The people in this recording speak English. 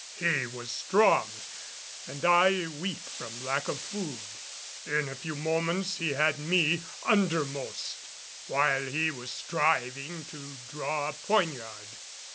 He was strong and I weak from lack of food; in a few moments he had me undermost, while he was striving to draw a poniard.